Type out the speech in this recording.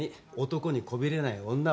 男にこびれない女？